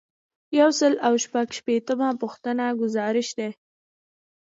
یو سل او شپږ شپیتمه پوښتنه ګزارش دی.